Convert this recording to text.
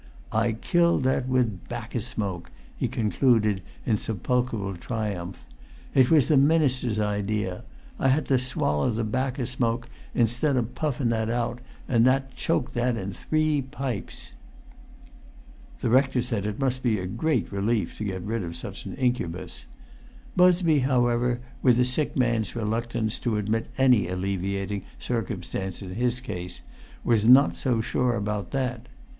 "I killed that with bacca smoke," he concluded in sepulchral triumph. "It was the minister's idea. I had to swaller the bacca smoke instead o' puffun that out, an' that choked that in three pipes!" [Pg 338]The rector said it must be a great relief to be rid of such an incubus. Busby, however, with a sick man's reluctance to admit any alleviating circumstance in his case, was not so sure about that.